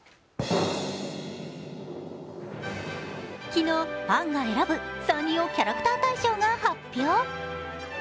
昨日、ファンが選ぶサンリオキャラクター大賞が発表。